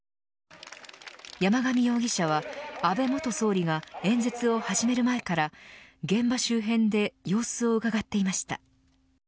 山上容疑者は、安倍元総理が演説を始める前から現場周辺で様子をうかがっていました。